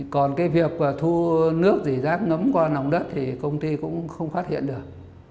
còn cái việc thu nước rỉ rác ngấm qua lòng đất thì công ty cũng không phát hiện được